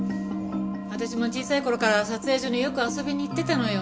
私も小さい頃から撮影所によく遊びに行ってたのよ。